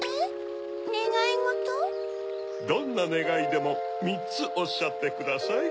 どんなねがいでも３つおっしゃってください。